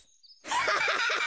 ハハハハ！